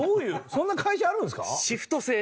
そんな会社あるんですか？